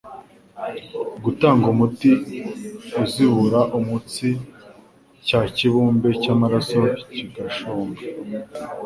Gutanga umuti uzibura umutsi cya kibumbe cy'amaraso kigashonnga